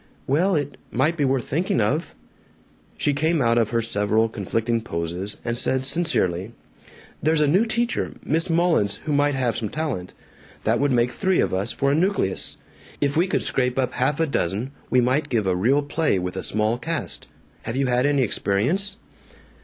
"Well, it might be worth thinking of." She came out of her several conflicting poses, and said sincerely, "There's a new teacher, Miss Mullins, who might have some talent. That would make three of us for a nucleus. If we could scrape up half a dozen we might give a real play with a small cast. Have you had any experience?"